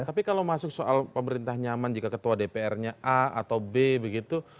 tapi kalau masuk soal pemerintah nyaman jika ketua dpr nya a atau b begitu